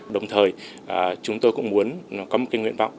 đồng thời chúng tôi cũng muốn có một cái nguyện vọng